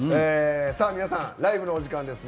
皆さん、ライブのお時間です。